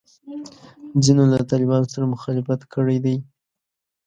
ځینو له طالبانو سره مخالفت کړی دی.